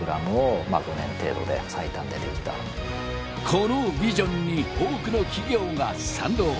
このビジョンに多くの企業が賛同。